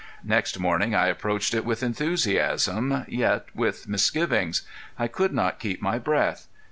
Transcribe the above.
Next morning I approached it with enthusiasm, yet with misgivings. I could not keep my breath.